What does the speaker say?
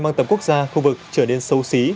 mang tầm quốc gia khu vực trở nên sâu xí